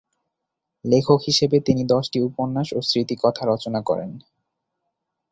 লেখক হিসেবে তিনি দশটি উপন্যাস ও স্মৃতিকথা রচনা করেন।